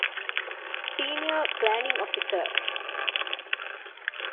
ސީނިއަރ ޕްލޭނިންގ އޮފިސަރ